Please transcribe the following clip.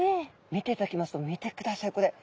見ていただきますと見てくださいこれ。